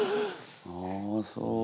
ああそう。